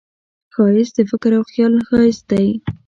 ښایست د فکر او خیال ښایست دی